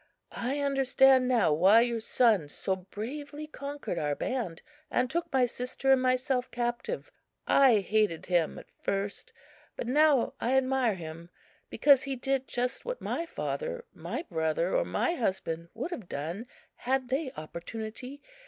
I understand now why your son so bravely conquered our band, and took my sister and myself captive. I hated him at first, but now I admire him, because he did just what my father, my brother or my husband would have done had they opportunity.